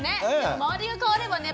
周りが変わればね